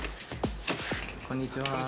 こんにちは。